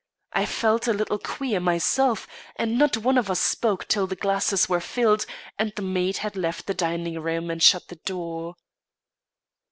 I felt a little queer, myself; and not one of us spoke till the glasses were filled and the maid had left the dining room and shut the door.